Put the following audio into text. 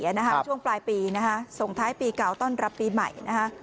ช่วงปลายปีนะฮะส่งท้ายปีเก่าต้อนรับปีใหม่นะคะ